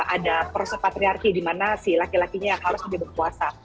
ada proses patriarki di mana si laki lakinya harus lebih berpuasa